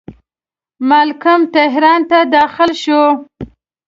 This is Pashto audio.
مالکم تهران ته داخل شو.